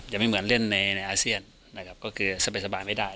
จะไม่เหมือนเล่นในอาเซียนก็คือสบายไม่ได้